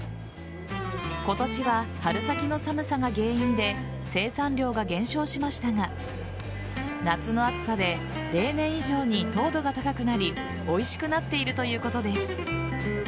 今年は春先の寒さが原因で生産量が減少しましたが夏の暑さで例年以上に糖度が高くなりおいしくなっているということです。